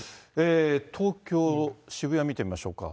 東京・渋谷、見てみましょうか。